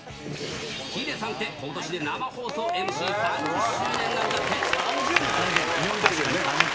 ヒデさんって、ことしで生放送ＭＣ３０周年なんだって。